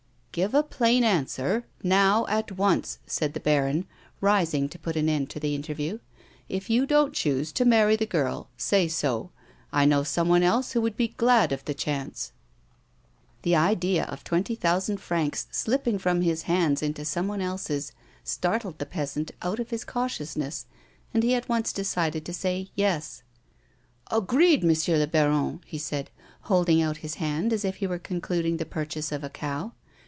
" Give a plain answer, now at once," said the baron, rising to put an end to the interview. " If you don't choose to marry the girl, say so. I know someone else who would be glad of the chance." The idea of the twenty thousand francs slipping from his hands into someone else's, startled the peasant out of his cautiousness and heat once decided to say "yes": 134 A WOMAN'S LIFE. " Agreed, M'sieu Fbaron !" he said, holding out his hand as if he were concluding the purchase of a cow.